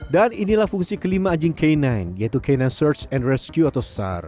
dan inilah fungsi kelima anjing k sembilan yaitu k sembilan search and rescue atau sar